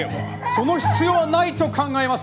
その必要はないと考えます。